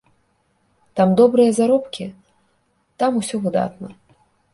Там добрыя заробкі, там усё выдатна!